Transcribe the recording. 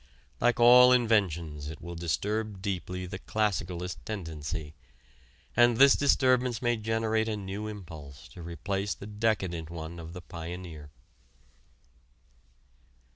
Like all inventions it will disturb deeply the classicalist tendency, and this disturbance may generate a new impulse to replace the decadent one of the pioneer.